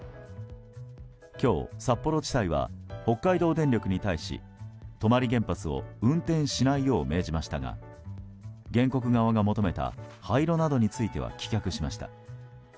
今日、札幌地裁は北海道電力に対し泊原発を運転しないよう命じましたが原告側が求めた廃炉などについては棄却しました。